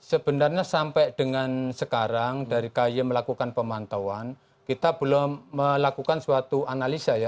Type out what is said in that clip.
sebenarnya sampai dengan sekarang dari kay melakukan pemantauan kita belum melakukan suatu analisa ya